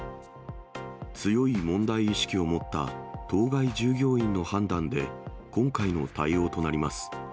強い問題意識を持った当該従業員の判断で、今回の対応となります。